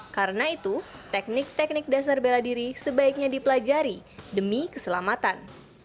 karena itu teknik teknik dasar bela diri sebaiknya dipelajari demi keselamatan